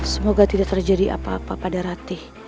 semoga tidak terjadi apa apa pada ratih